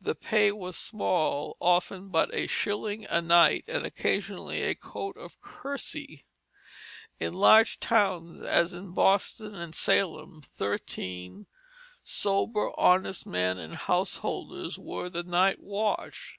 The pay was small, often but a shilling a night, and occasionally a "coat of kersey." In large towns, as Boston and Salem, thirteen "sober, honest men and householders" were the night watch.